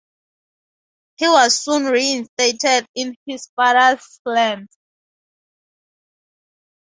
He was soon re-instated in his father's lands.